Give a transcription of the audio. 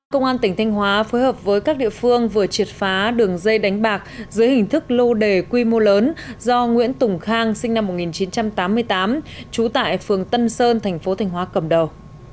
công an tỉnh thanh hóa phối hợp với các địa phương vừa triệt phá đường dây đánh bạc dưới hình thức lô đề quy mô lớn do nguyễn tùng khang sinh năm một nghìn chín trăm tám mươi tám trú tại phường tân sơn thành phố thanh hóa cầm đầu